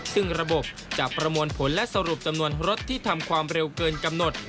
ซึ่งระบบจะประมวลผลและสรุปจำนวนรถที่ทำความเร็วเกินกำหนด